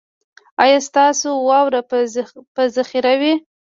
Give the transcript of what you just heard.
ایا ستاسو واوره به ذخیره وي؟